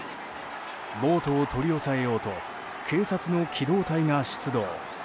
暴徒を取り押さえようと警察の機動隊が出動。